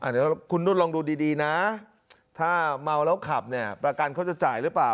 เดี๋ยวคุณนุ่นลองดูดีนะถ้าเมาแล้วขับเนี่ยประกันเขาจะจ่ายหรือเปล่า